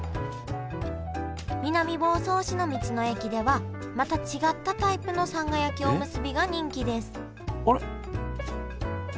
南房総市の道の駅ではまた違ったタイプのさんが焼きおむすびが人気ですあれ？